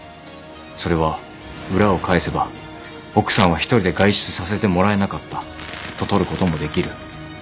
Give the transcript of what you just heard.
それは裏を返せば奥さんは１人で外出させてもらえなかったととることもできる。